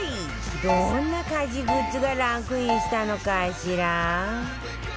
どんな家事グッズがランクインしたのかしら？